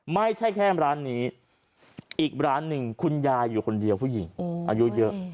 ไม่ใช่แค่ร้านนี้อีกร้านหนึ่งคุณยายอยู่คนเดียวผู้หญิงอายุเยอะ